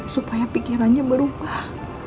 supaya pikirannya berubah